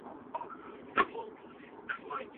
ওকে, ভাই।